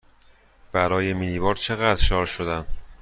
برای مینی بار چقدر شارژ شدم؟